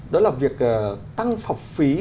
đó là việc tăng phọc phí